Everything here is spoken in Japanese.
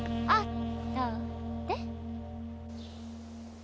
あっ！